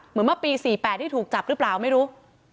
เหมือนเมื่อปี๔๘ที่ถูกจับหรือเปล่าไม่รู้